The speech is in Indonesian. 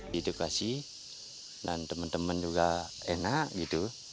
di edukasi dan teman teman juga enak gitu